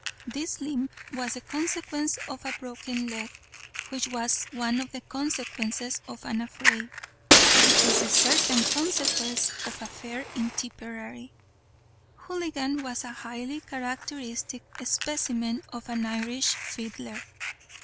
This limp was the consequence of a broken leg, which was one of the consequences of an affray, which is the certain consequence of a fair in Tipperary. Houligan was a highly characteristic specimen of an Irish fiddler.